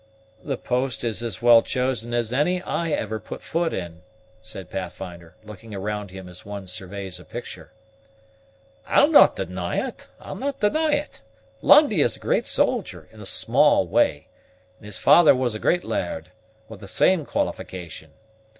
"The post is as well chosen as any I ever put foot in," said Pathfinder, looking around him as one surveys a picture. "I'll no' deny it, I'll no' deny it. Lundie is a great soldier, in a small way; and his father was a great laird, with the same qualification.